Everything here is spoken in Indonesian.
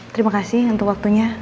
terima kasih untuk waktunya